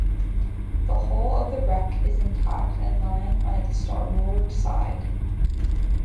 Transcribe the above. The hull of the wreck is intact and lying on its starboard side.